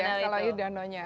kalau itu danau nya